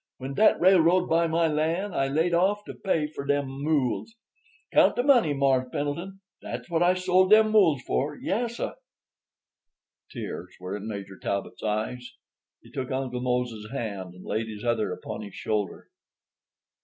When dat railroad buy my lan' I laid off to pay fur dem mules. Count de money, Mars' Pendleton. Dat's what I sold dem mules fur. Yessir." Tears were in Major Talbot's eyes. He took Uncle Mose's hand and laid his other upon his shoulder.